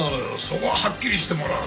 そこははっきりしてもらわないと。